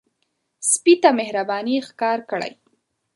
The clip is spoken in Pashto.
سپي ته مهرباني ښکار کړئ.